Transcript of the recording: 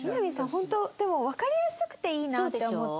本当でもわかりやすくていいなって思って。